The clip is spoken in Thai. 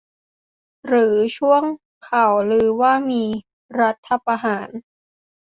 หรือช่วงข่าวลือว่าจะมีรัฐประหาร ?